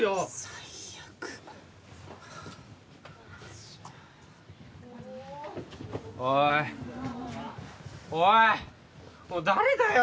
最悪おいおい誰だよ